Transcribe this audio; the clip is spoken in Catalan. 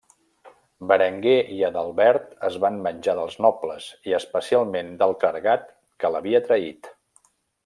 Berenguer i Adalbert es van venjar dels nobles, i especialment del clergat que l'havia traït.